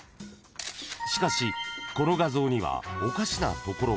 ［しかしこの画像にはおかしなところがあります］